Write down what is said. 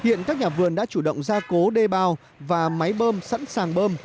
hiện các nhà vườn đã chủ động ra cố đê bao và máy bơm sẵn sàng bơm